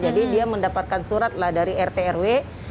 jadi dia mendapatkan surat lah dari rt rw